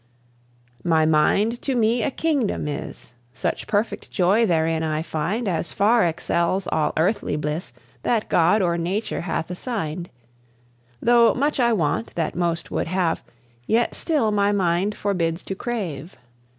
My mind to me a kingdom is; Such perfect joy therein I find As far excels all earthly bliss That God or Nature hath assigned; Though much I want that most would have, Yet still my mind forbids to crave.